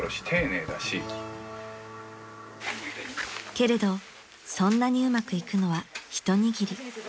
［けれどそんなにうまくいくのは一握り］